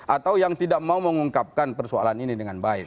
atau yang tidak mau mengungkapkan persoalan ini dengan baik